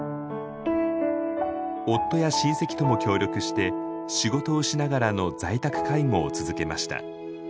夫や親戚とも協力して仕事をしながらの在宅介護を続けました。